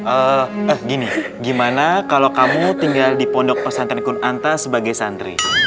eh gini gimana kalau kamu tinggal di pondok pesantren kun anta sebagai santri